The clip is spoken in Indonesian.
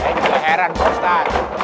ini keheran ustadz